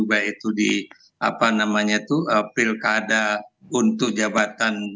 baik itu di apa namanya itu pilkada untuk jabatan gubernur ataupun wali kota ya